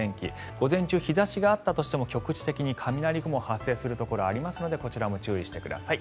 午前中、日差しがあったとしても局地的に雷雲が発生するところがありますのでこちらも注意してください。